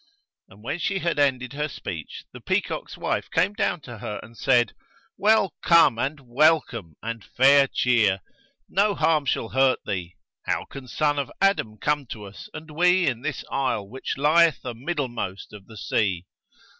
And when she had ended her speech the peacock's wife came down to her and said, "Well come and welcome and fair cheer! No harm shall hurt thee: how can son of Adam come to us and we in this isle which lieth amiddlemost of the sea?